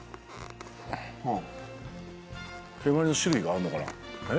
毛鉤の種類があるのかな？え？